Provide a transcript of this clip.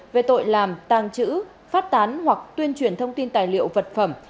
về tội làm tàng trữ phát tán hoặc tuyên truyền thông tin tài liệu vật phẩm